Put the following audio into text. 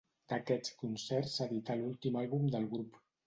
D'aquests concerts s'edità l'últim àlbum del grup.